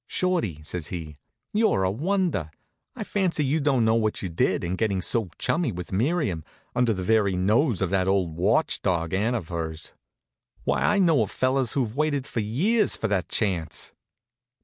"Shorty," says he, "you're a wonder. I fancy you don't know what you did in getting so chummy with Miriam under the very nose of that old watch dog aunt of hers. Why, I know of fellows who've waited years for that chance."